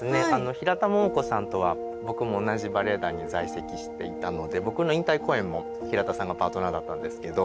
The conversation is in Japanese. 平田桃子さんとは僕も同じバレエ団に在籍していたので僕の引退公演も平田さんがパートナーだったんですけど。